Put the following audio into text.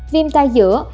viêm tai giữa